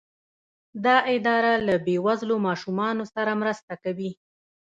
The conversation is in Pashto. دا اداره له بې وزلو ماشومانو سره مرسته کوي.